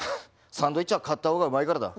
サンドイッチは買った方がうまいからだ。